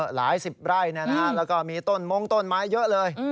หลายสิบไร่แล้วก็มีต้นมงต้นไม้เยอะเลย